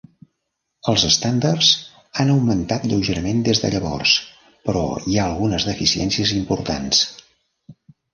Els estàndards han augmentat lleugerament des de llavors, però hi ha algunes deficiències importants.